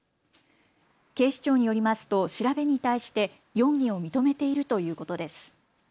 警視庁によりますと調べに対して容疑を認めているということです。